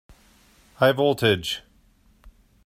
High voltage!